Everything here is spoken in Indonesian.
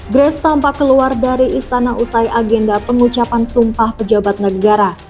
grace tampak keluar dari istana usai agenda pengucapan sumpah pejabat negara